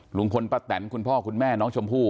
ลุงพลป้าแตนคุณพ่อคุณแม่น้องชมพู่